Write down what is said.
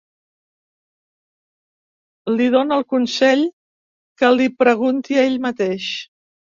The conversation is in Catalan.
Li dóna el consell que l'hi pregunti a ell mateix.